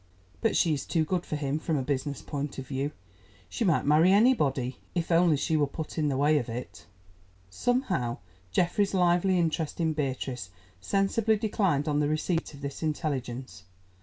But she is too good for him from a business point of view. She might marry anybody, if only she were put in the way of it." Somehow, Geoffrey's lively interest in Beatrice sensibly declined on the receipt of this intelligence.